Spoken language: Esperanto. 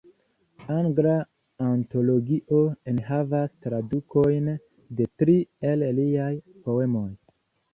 Angla Antologio enhavas tradukojn de tri el liaj poemoj.